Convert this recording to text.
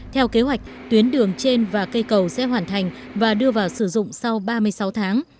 theo kế hoạch tuyến đường trên và cây cầu sẽ hoàn thành và đưa vào sử dụng sau ba mươi sáu tháng